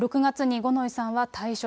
６月に五ノ井さんは退職。